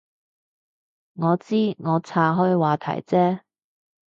我知，我岔开话题啫